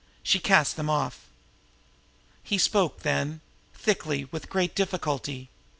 She cast them off. He spoke then thickly, with great difficulty.